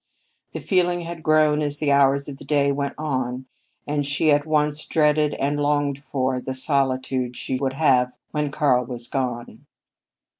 The feeling had grown as the hours of the day went on, and she at once dreaded and longed for the solitude she should have when Karl was gone.